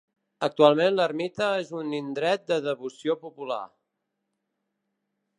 Actualment l'ermita és un indret de devoció popular.